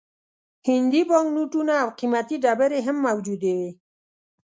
هندي بانک نوټونه او قیمتي ډبرې هم موجودې وې.